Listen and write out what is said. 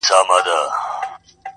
دوی هڅه کوي چي د همدې شخص یې وښيي -